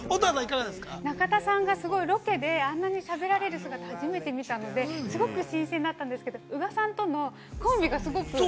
◆中田さんがすごいロケで、あんなにしゃべられる姿を初めて見たのですごく新鮮だったんですけど、宇賀さんとのコンビがすごく。